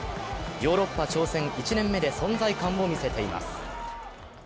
ヨーロッパ挑戦１年目で存在感を見せています。